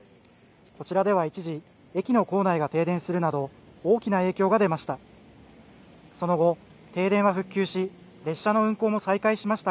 こちらでは一時、駅の構内が停電するなど大きな影響が出ました。